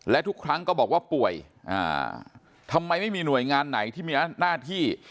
และทุกครั้งก็บอกว่าป่วยทำไมไม่มีหน่วยงานไหนที่มีหน้าที่